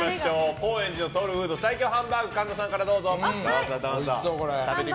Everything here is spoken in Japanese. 高円寺のソウルフードハンバーグを神田さんからどうぞ。